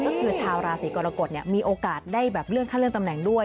ก็คือชาวราศีกรกฎมีโอกาสได้แบบเลื่อนขั้นเลื่อนตำแหน่งด้วย